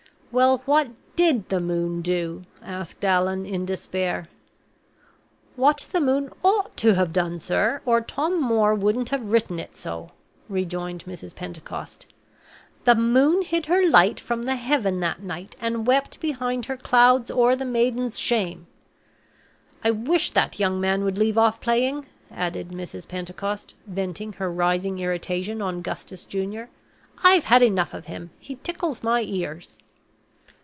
"Well, what did the moon do?" asked Allan, in despair. "What the moon ought to have done, sir, or Tom Moore wouldn't have written it so," rejoined Mrs. Pentecost. "'The moon hid her light from the heaven that night, and wept behind her clouds o'er the maiden's shame!' I wish that young man would leave off playing," added Mrs. Pentecost, venting her rising irritation on Gustus Junior. "I've had enough of him he tickles my ears."